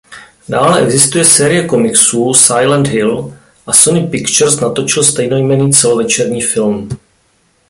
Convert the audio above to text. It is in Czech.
Dále existuje série komiksů "Silent Hill" a Sony Pictures natočil stejnojmenný celovečerní film.